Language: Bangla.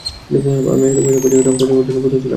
আমি আসলে সবার চোখে একটা হতাশা হওয়ার জন্য প্রস্তুত ছিলাম না।